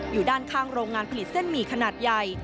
อยู่ด้านข้างโรงงานผลิตเส้นหมี่ขนาดใหญ่